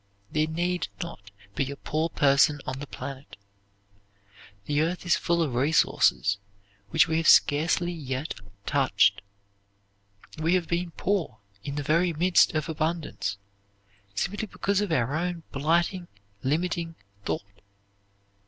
There need not be a poor person on the planet. The earth is full of resources which we have scarcely yet touched. We have been poor in the very midst of abundance, simply because of our own blighting limiting thought.